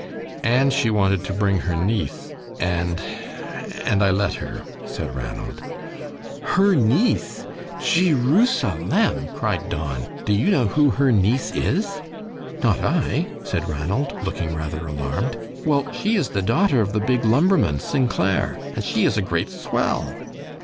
"And she wanted to bring her niece, and and I let her," said Ranald. "Her niece! Jee roo sa LEM!" cried Don. "Do you know who her niece is?" "Not I," said Ranald, looking rather alarmed. "Well, she is the daughter of the big lumberman, St. Clair, and she is a great swell."